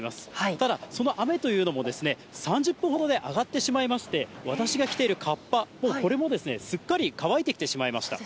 ただその雨というのも、３０分ほどで上がってしまいまして、私が着ているかっぱ、もうこれもすっかり乾いてきてしまいました。